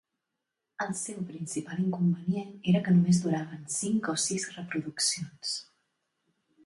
El seu principal inconvenient era que només duraven cinc o sis reproduccions.